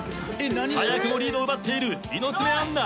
早くもリードを奪っている猪爪杏奈。